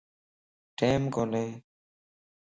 ٽيم ڪوني